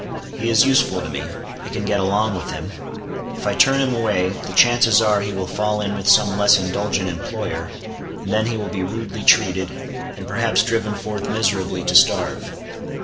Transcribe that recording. He is useful to me. I can get along with him. If I turn him away, the chances are he will fall in with some less indulgent employer, and then he will be rudely treated, and perhaps driven forth miserably to starve.